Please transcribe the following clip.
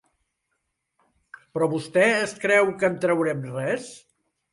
¿Però vostè es creu que en traurem res?